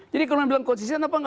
jadi kalau bilang konsisten apa